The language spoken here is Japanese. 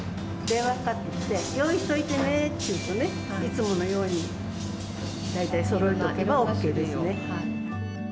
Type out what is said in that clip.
電話がかかってきて、用意しておいてねって言うと、いつものように、大体そろえておけばオーケーですね。